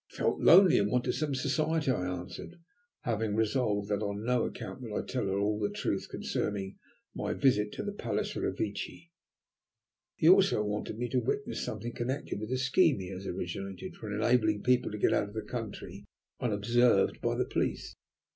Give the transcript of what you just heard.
"He felt lonely and wanted some society," I answered, having resolved that on no account would I tell her all the truth concerning my visit to the Palace Revecce. "He also wanted me to witness something connected with a scheme he has originated for enabling people to get out of the country unobserved by the police.